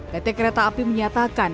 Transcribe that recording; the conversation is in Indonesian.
pt kereta api menyatakan